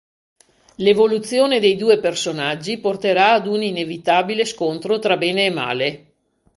L'evoluzione dei due personaggi porterà ad un inevitabile scontro tra Bene e Male.